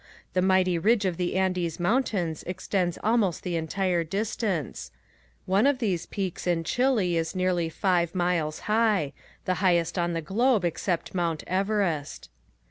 The mighty ridge of the Andes mountains extends almost the entire distance. One of these peaks in Chile is nearly five miles high the highest on the globe except Mount Everest.